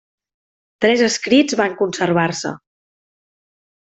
Tres escrits van conservar-se.